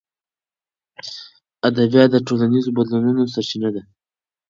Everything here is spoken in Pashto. ادبیات د ټولنیزو بدلونونو سرچینه ده.